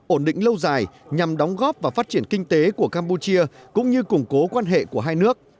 ổn định lâu dài nhằm đóng góp vào phát triển kinh tế của campuchia cũng như củng cố quan hệ của hai nước